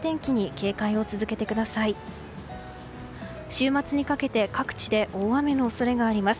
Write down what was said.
週末にかけて各地で大雨の恐れがあります。